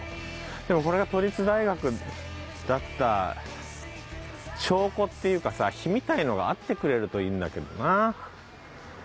でもこれが都立大学だった証拠っていうかさ碑みたいなのがあってくれるといいんだけどな。